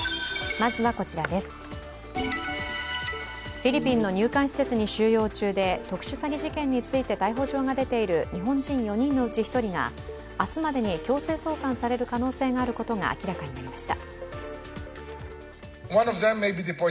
フィリピンの入管施設に収容中で特殊詐欺事件について逮捕状が出ている日本人４人のうち１人が明日までに強制送還される可能性が明らかになりました。